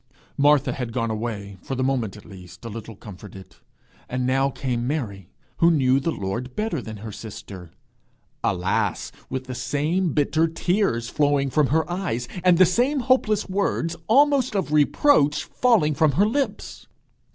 Martha had gone away, for the moment at least, a little comforted; and now came Mary, who knew the Lord better than her sister alas, with the same bitter tears flowing from her eyes, and the same hopeless words, almost of reproach, falling from her lips!